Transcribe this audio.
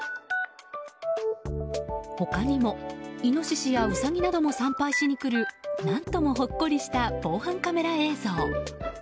他にも、イノシシやウサギなども参拝しに来る何ともほっこりした防犯カメラ映像。